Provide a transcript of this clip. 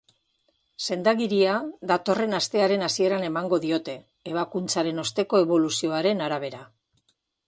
Sendagiria datorren astearen hasieran emango diote, ebakuntzaren osteko eboluzioaren arabera.